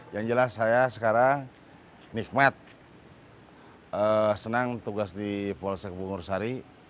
yang jelas saya sekarang nikmat senang tugas di polsek bungur sari